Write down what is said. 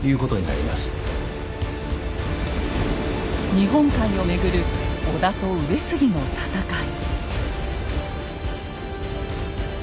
日本海をめぐる織田と上杉の戦い。